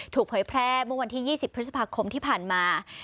เผยแพร่เมื่อวันที่๒๐พฤษภาคมที่ผ่านมา